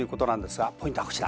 ポイントはこちら。